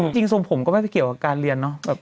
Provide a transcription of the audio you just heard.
จริงทรงผมก็ไม่ไปเกี่ยวกับการเรียนเนาะ